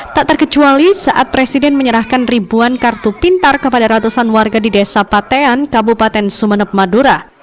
tak terkecuali saat presiden menyerahkan ribuan kartu pintar kepada ratusan warga di desa patean kabupaten sumeneb madura